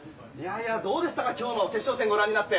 どうでしたか今日の決勝戦ご覧になって。